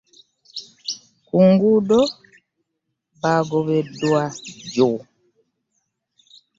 Ku nguudo baagobeddwa jjo.